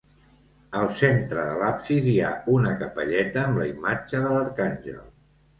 Al centre de l'absis, hi ha una capelleta amb la imatge de l'arcàngel.